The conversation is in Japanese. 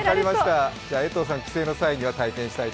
じゃ江藤さん、帰省の際には体験します。